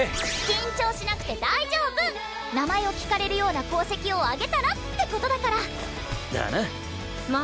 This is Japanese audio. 緊張しなくて大丈夫名前を聞かれるような功績を挙げたらってことだからだなま